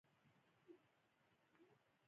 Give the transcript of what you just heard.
دریشي په نړیواله کچه اغوستل کېږي.